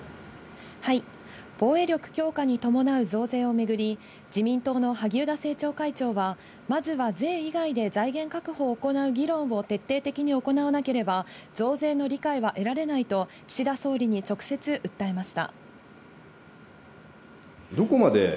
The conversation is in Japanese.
防衛力強化に伴う増税をめぐり、自民党の萩生田政調会長はまずは税以外で財源確保を行う議論を徹底的に行わなければ増税の理解は得られないと岸田総理に直接訴えました。